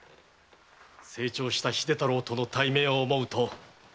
成長した秀太郎との対面を思うと胸が躍るぞ。